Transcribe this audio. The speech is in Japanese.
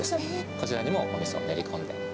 こちらにもおみそを練り込んで。